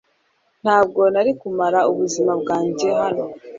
Ntabwo nari kumara ubuzima bwanjye hano .